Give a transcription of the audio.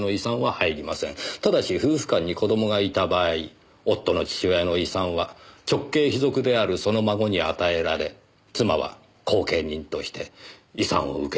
ただし夫婦間に子供がいた場合夫の父親の遺産は直系卑属であるその孫に与えられ妻は後見人として遺産を受け取る事も可能。